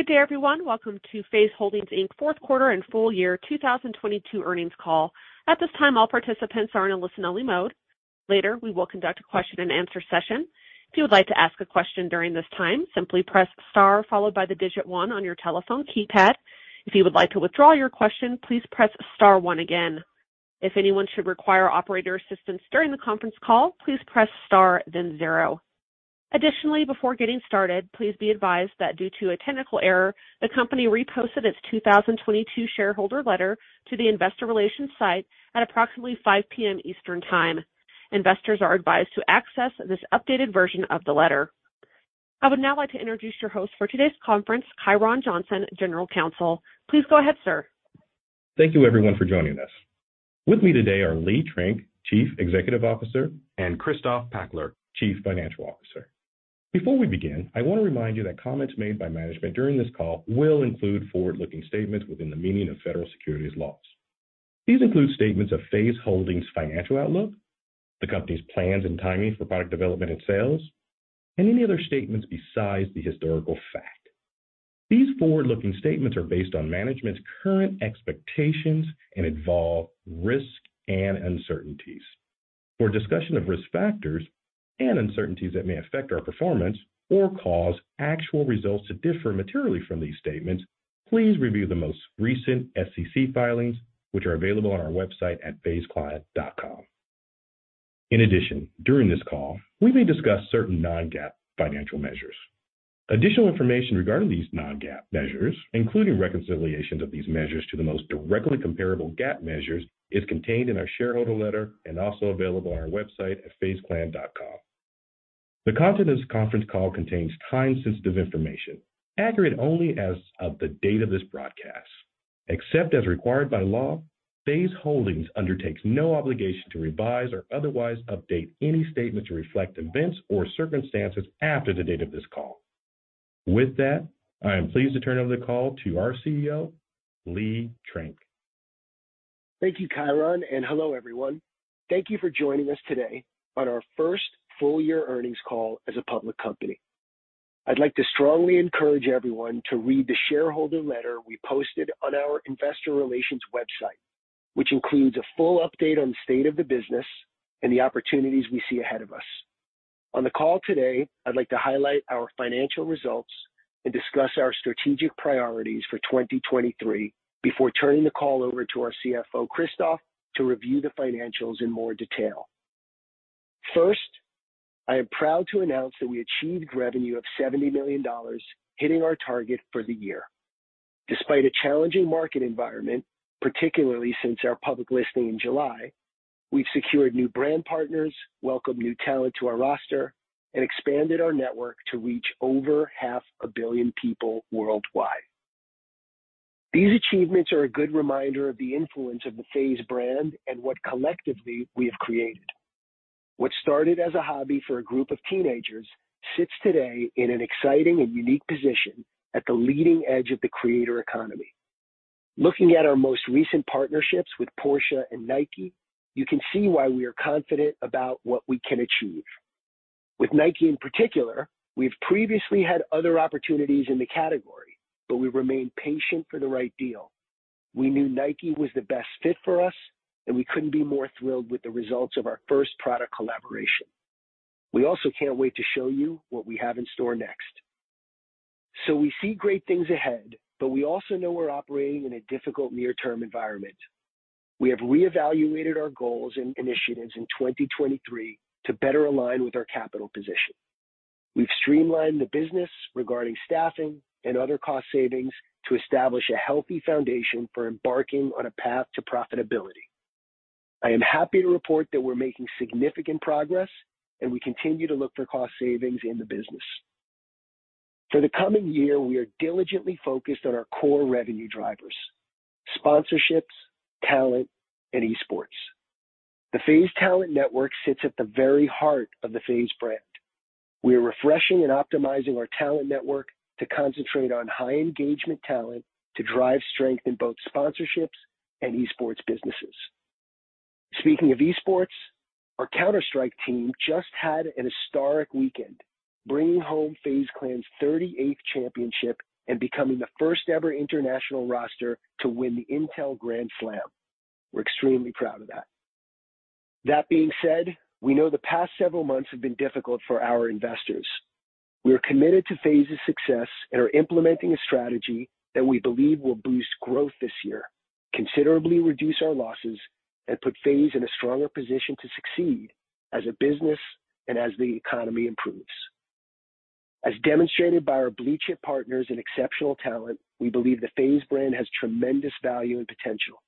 Good day, everyone. Welcome to FaZe Holdings Inc. fourth quarter and full year 2022 earnings call. At this time, all participants are in a listen-only mode. Later, we will conduct a question-and-answer session. If you would like to ask a question during this time, simply press star followed by 1 on your telephone keypad. If you would like to withdraw your question, please press star 1 again. If anyone should require operator assistance during the conference call, please press star 0. Additionally, before getting started, please be advised that due to a technical error, the company reposted its 2022 shareholder letter to the investor relations site at approximately 5:00 P.M. Eastern Time. Investors are advised to access this updated version of the letter. I would now like to introduce your host for today's conference, Kyron Johnson, General Counsel. Please go ahead, sir. Thank you everyone for joining us. With me today are Lee Trink, Chief Executive Officer, and Christoph Pachler, Chief Financial Officer. Before we begin, I want to remind you that comments made by management during this call will include forward-looking statements within the meaning of federal securities laws. These include statements of FaZe Holdings financial outlook, the company's plans and timing for product development and sales, and any other statements besides the historical fact. These forward-looking statements are based on management's current expectations and involve risk and uncertainties. For a discussion of risk factors and uncertainties that may affect our performance or cause actual results to differ materially from these statements, please review the most recent SEC filings, which are available on our website at fazeclan.com. During this call, we may discuss certain non-GAAP financial measures. Additional information regarding these non-GAAP measures, including reconciliations of these measures to the most directly comparable GAAP measures, is contained in our shareholder letter and also available on our website at fazeclan.com. The content of this conference call contains time-sensitive information, accurate only as of the date of this broadcast. Except as required by law, FaZe Holdings undertakes no obligation to revise or otherwise update any statement to reflect events or circumstances after the date of this call. With that, I am pleased to turn over the call to our CEO, Lee Trink. Thank you, Kyron. Hello everyone. Thank you for joining us today on our first full year earnings call as a public company. I'd like to strongly encourage everyone to read the shareholder letter we posted on our investor relations website, which includes a full update on the state of the business and the opportunities we see ahead of us. On the call today, I'd like to highlight our financial results and discuss our strategic priorities for 2023 before turning the call over to our CFO, Christoph, to review the financials in more detail. First, I am proud to announce that we achieved revenue of $70 million, hitting our target for the year. Despite a challenging market environment, particularly since our public listing in July, we've secured new brand partners, welcomed new talent to our roster, and expanded our network to reach over half a billion people worldwide. These achievements are a good reminder of the influence of the FaZe brand and what collectively we have created. What started as a hobby for a group of teenagers sits today in an exciting and unique position at the leading edge of the creator economy. Looking at our most recent partnerships with Porsche and Nike, you can see why we are confident about what we can achieve. With Nike in particular, we've previously had other opportunities in the category, but we remained patient for the right deal. We knew Nike was the best fit for us, and we couldn't be more thrilled with the results of our first product collaboration. We also can't wait to show you what we have in store next. We see great things ahead, but we also know we're operating in a difficult near-term environment. We have reevaluated our goals and initiatives in 2023 to better align with our capital position. We've streamlined the business regarding staffing and other cost savings to establish a healthy foundation for embarking on a path to profitability. I am happy to report that we're making significant progress, we continue to look for cost savings in the business. For the coming year, we are diligently focused on our core revenue drivers: sponsorships, talent, and esports. The FaZe talent network sits at the very heart of the FaZe brand. We are refreshing and optimizing our talent network to concentrate on high engagement talent to drive strength in both sponsorships and esports businesses. Speaking of esports, our Counter-Strike team just had an historic weekend, bringing home FaZe Clan's 38th championship and becoming the first ever international roster to win the Intel Grand Slam. We're extremely proud of that. That being said, we know the past several months have been difficult for our investors. We are committed to FaZe's success and are implementing a strategy that we believe will boost growth this year, considerably reduce our losses, and put FaZe in a stronger position to succeed as a business and as the economy improves. As demonstrated by our blue-chip partners and exceptional talent, we believe the FaZe brand has tremendous value and potential.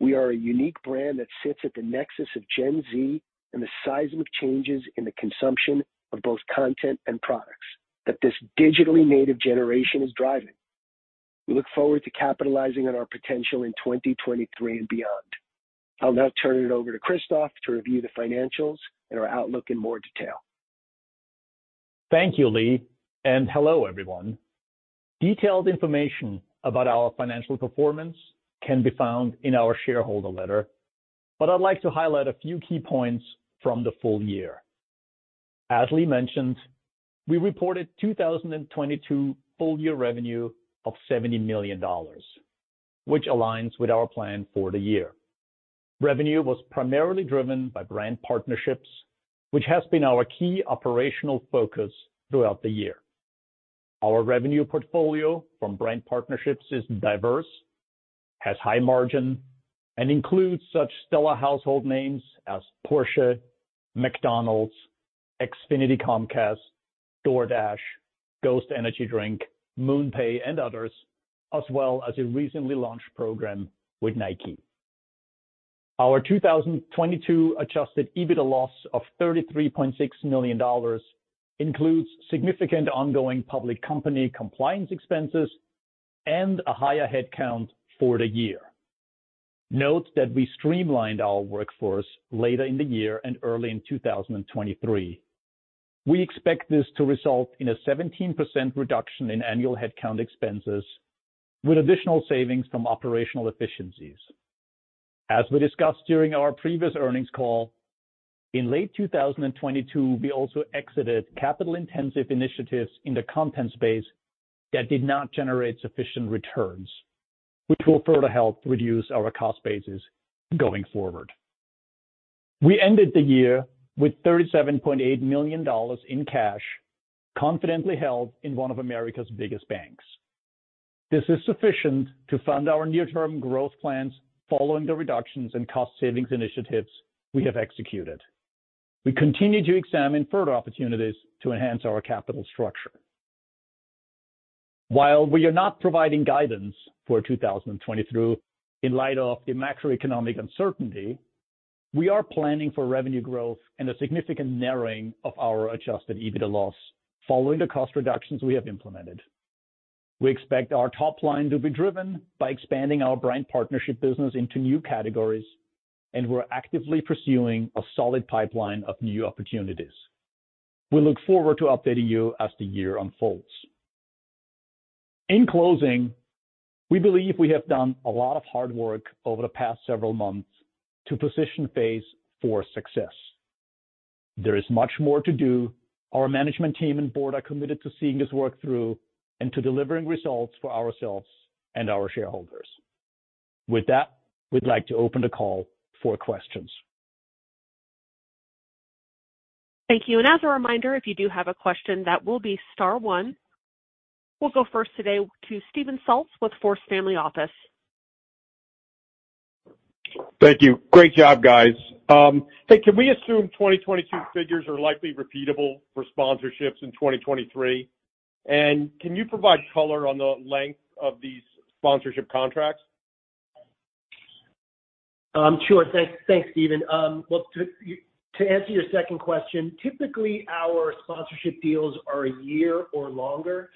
We are a unique brand that sits at the nexus of Gen Z and the seismic changes in the consumption of both content and products that this digitally native generation is driving. We look forward to capitalizing on our potential in 2023 and beyond. I'll now turn it over to Christoph to review the financials and our outlook in more detail. Thank you, Lee. Hello everyone. Detailed information about our financial performance can be found in our shareholder letter. I'd like to highlight a few key points from the full year. As Lee mentioned, we reported 2022 full year revenue of $70 million, which aligns with our plan for the year. Revenue was primarily driven by brand partnerships, which has been our key operational focus throughout the year. Our revenue portfolio from brand partnerships is diverse, has high margin, and includes such stellar household names as Porsche, McDonald's, Xfinity Comcast, DoorDash, GHOST Energy Drink, MoonPay, and others, as well as a recently launched program with Nike. Our 2022 adjusted EBITDA loss of $33.6 million includes significant ongoing public company compliance expenses and a higher headcount for the year. Note that we streamlined our workforce later in the year and early in 2023. We expect this to result in a 17% reduction in annual headcount expenses with additional savings from operational efficiencies. As we discussed during our previous earnings call, in late 2022, we also exited capital-intensive initiatives in the content space that did not generate sufficient returns, which will further help reduce our cost bases going forward. We ended the year with $37.8 million in cash, confidently held in one of America's biggest banks. This is sufficient to fund our near-term growth plans following the reductions in cost savings initiatives we have executed. We continue to examine further opportunities to enhance our capital structure. While we are not providing guidance for 2022 in light of the macroeconomic uncertainty, we are planning for revenue growth and a significant narrowing of our adjusted EBITDA loss following the cost reductions we have implemented. We expect our top line to be driven by expanding our brand partnership business into new categories, and we're actively pursuing a solid pipeline of new opportunities. We look forward to updating you as the year unfolds. In closing, we believe we have done a lot of hard work over the past several months to position FaZe for success. There is much more to do. Our management team and board are committed to seeing this work through and to delivering results for ourselves and our shareholders. With that, we'd like to open the call for questions. Thank you. As a reminder, if you do have a question, that will be star one. We'll go first today to Steven Saltzstein with FORCE Family Office. Thank you. Great job, guys. Hey, can we assume 2022 figures are likely repeatable for sponsorships in 2023? Can you provide color on the length of these sponsorship contracts? Sure. Thanks. Thanks, Steven. Well, to answer your second question, typically, our sponsorship deals are a year or longer.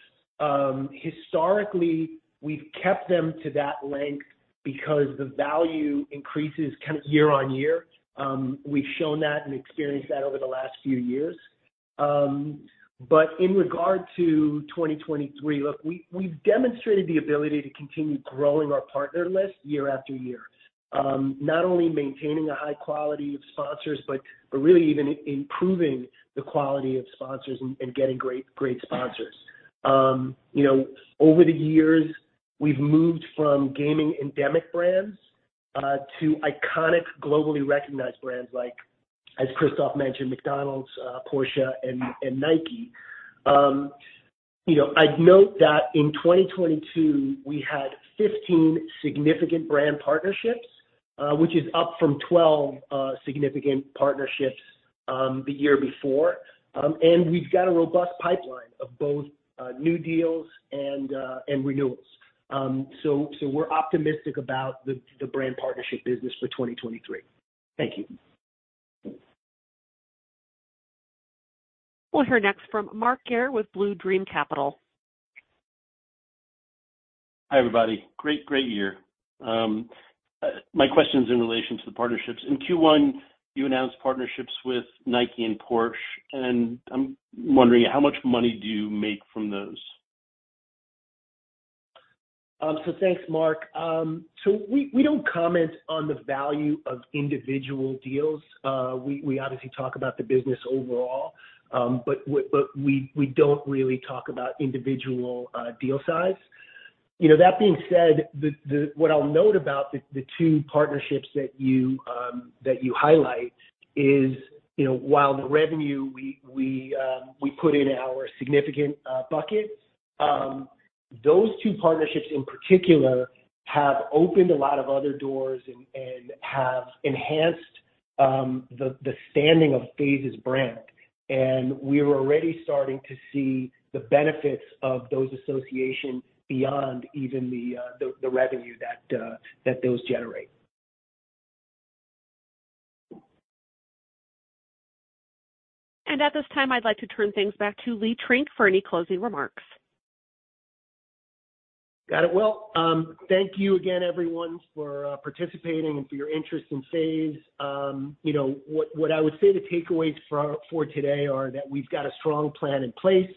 Historically, we've kept them to that length because the value increases kind of year-over-year. We've shown that and experienced that over the last few years. In regard to 2023, look, we've demonstrated the ability to continue growing our partner list year after year. Not only maintaining a high quality of sponsors, but really even improving the quality of sponsors and getting great sponsors. You know, over the years, we've moved from gaming endemic brands to iconic, globally recognized brands like, as Christoph mentioned, McDonald's, Porsche, and Nike. You know, I'd note that in 2022, we had 15 significant brand partnerships, which is up from 12 significant partnerships the year before. We've got a robust pipeline of both new deals and renewals. We're optimistic about the brand partnership business for 2023. Thank you. We'll hear next from Mark Gare with Blue Dream Capital. Hi, everybody. Great year. My question is in relation to the partnerships. In Q1, you announced partnerships with Nike and Porsche. I'm wondering how much money do you make from those? Thanks, Mark. We don't comment on the value of individual deals. We obviously talk about the business overall, but we don't really talk about individual deal size. You know, that being said, what I'll note about the two partnerships that you highlight is, you know, while the revenue we put in our significant bucket, those two partnerships in particular have opened a lot of other doors and have enhanced the standing of FaZe's brand. We're already starting to see the benefits of those associations beyond even the revenue that those generate. At this time, I'd like to turn things back to Lee Trink for any closing remarks. Got it. Well, thank you again, everyone, for participating and for your interest in FaZe. You know what I would say the takeaways for today are that we've got a strong plan in place.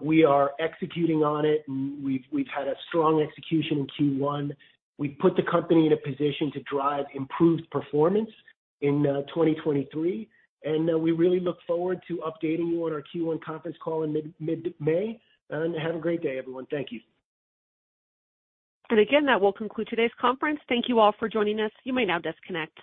We are executing on it, and we've had a strong execution in Q1. We've put the company in a position to drive improved performance in 2023. We really look forward to updating you on our Q1 conference call in mid-May. Have a great day, everyone. Thank you. Again, that will conclude today's conference. Thank you all for joining us. You may now disconnect.